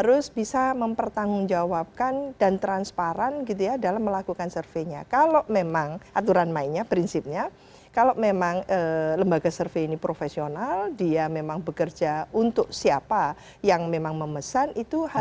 harus bisa mempertanggungjawabkan dan transparan gitu ya dalam melakukan surveinya kalau memang aturan mainnya prinsipnya kalau memang lembaga survei ini profesional dia memang bekerja untuk siapa yang memang memesan itu harus